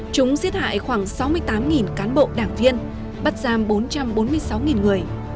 chúng giết hại khoảng sáu mươi tám cán bộ đảng viên bắt giam bốn trăm bốn mươi sáu người